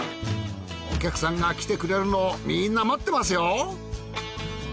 お客さんが来てくれるのをみんな待ってますよ！